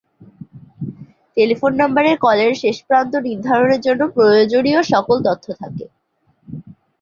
Telephone নাম্বারে কলের শেষ প্রান্ত নির্ধারণের জন্য ফ্রয়োজনীয় সকল তথ্য থাকে।